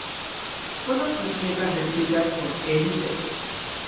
Todas las letras escritas por Eddie Vedder.